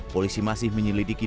polisi masih menyelidiki